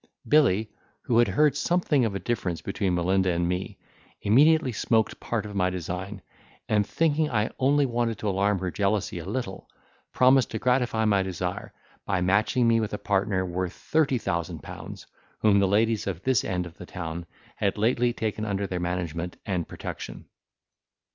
Billy, who had heard something of a difference between Melinda and me, immediately smoked part of my design, and, thinking I only wanted to alarm her jealousy a little, promised to gratify my desire, by matching me with a partner worth thirty thousand pounds, whom the ladies of this end of the town had lately taken under their management and protection.